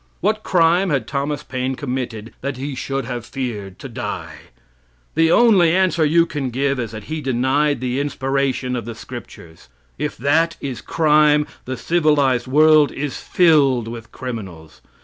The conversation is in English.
What crime had Thomas Paine committed that he should have feared to die? The only answer you can give is that he denied the inspiration of the scriptures. If that is crime, the civilized world is filled with criminals.